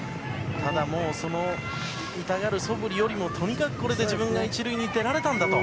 ただ、痛がる素振りよりとにかく自分が１塁に出られたんだと。